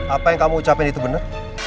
apa yang kamu ucapin itu benar